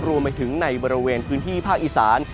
รวมไปถึงในบริเวณพื้นที่ภาคอีสาน